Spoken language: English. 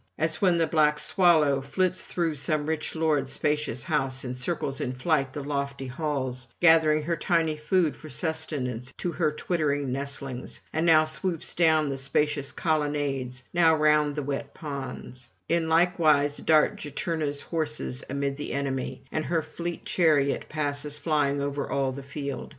As when a black swallow flits through some rich lord's spacious house, and circles in flight the lofty halls, gathering her tiny food for sustenance to her twittering nestlings, and now swoops down the spacious colonnades, now round the wet ponds; in like wise dart Juturna's horses amid the enemy, and her fleet chariot passes flying over all the field.